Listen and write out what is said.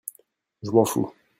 Je m'en fous.